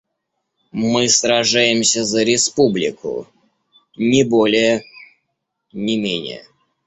Мы сражаемся за республику, ни более, ни менее.